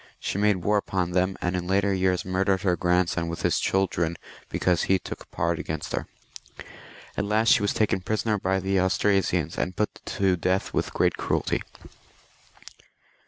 She made war upon them, and in later years murdered her grandson with his children because he took part against her. At last she was taken prisoner by the Austrasians, and put to death with great cruelty.